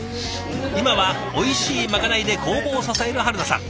今はおいしいまかないで工房を支える春菜さん。